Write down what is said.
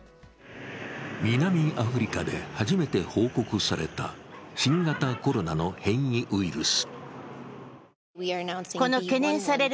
南アフリカで初めて報告された新型コロナの変異ウイルス。